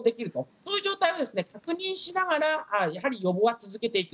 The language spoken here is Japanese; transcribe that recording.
そういう状態を確認しながらやはり予防は続けていく。